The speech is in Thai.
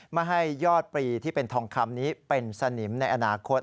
ไม่ให้ยอดปรีที่เป็นทองคำนี้เป็นสนิมในอนาคต